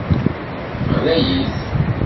Ɣlayit.